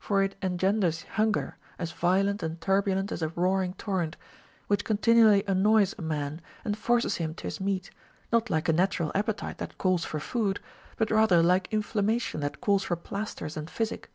For it engenders hunger, as violent and turbulent as a roaring torrent, which continually annoys a man, and forces him to his meat, not like a natural appe tite that calls for food, but rather like inflammation that calls for plasters and physic.